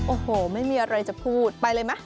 โอ้โหไม่มีอะไรจะพูดไปเลยไหม